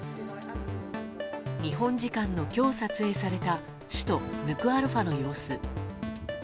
日本時間の今日撮影された首都ヌクアロファの様子。